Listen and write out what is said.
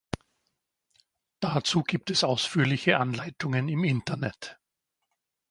Dazu gibt es ausführliche Anleitungen im Internet.